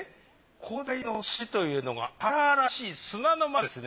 高台の土というのが荒々しい砂のままですね。